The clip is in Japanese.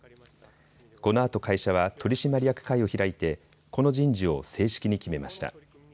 このあと会社は取締役会を開いてこの人事を正式に決めました。